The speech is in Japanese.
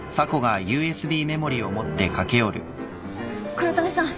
黒種さん